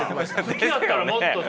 好きだったらもっとさ。